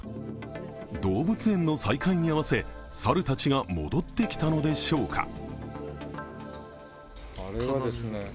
動物園の再開に合わせ、猿たちが戻ってきたのでしょうか。